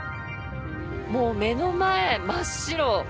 もう目の前、真っ白。